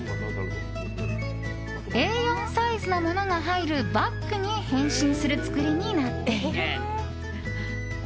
Ａ４サイズのものが入るバッグに変身する作りになっている。